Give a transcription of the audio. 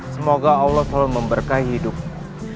semoga allah selalu memberkahi hidupmu